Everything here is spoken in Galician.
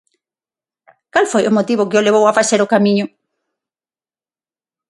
Cal foi o motivo que o levou a facer o Camiño?